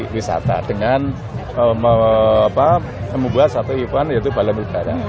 dan juga untuk mengembangkan potensi wisata dengan membuat satu event yaitu balon udara